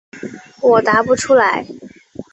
我答不出来。